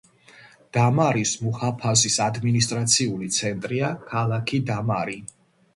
დამარის მუჰაფაზის ადმინისტრაციული ცენტრია ქალაქი დამარი.